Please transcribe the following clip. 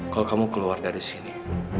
kalau kamu keluar dari sini